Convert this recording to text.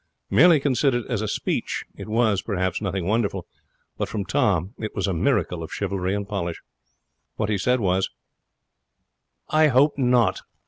Merely considered as a speech, it was, perhaps, nothing wonderful; but from Tom it was a miracle of chivalry and polish. What he said was: 'I hope not.'